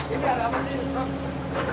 ini ada apa sih bang